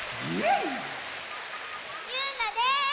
ゆうなです！